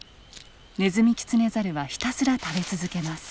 ネズミキツネザルはひたすら食べ続けます。